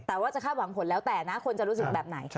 แต่ว่าจะคาดหวังผลแล้วแต่นะคนจะรู้สึกแบบไหน